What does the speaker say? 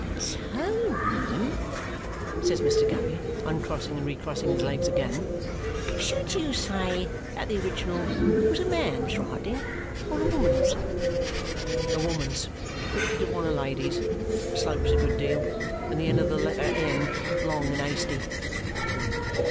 "Tony," says Mr. Guppy, uncrossing and recrossing his legs again, "should you say that the original was a man's writing or a woman's?" "A woman's. Fifty to one a lady's slopes a good deal, and the end of the letter 'n,' long and hasty."